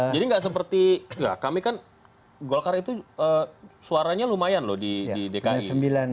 jadi nggak seperti kami kan golkar itu suaranya lumayan loh di dki